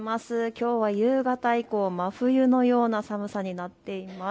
きょうは夕方以降、真冬のような寒さになっています。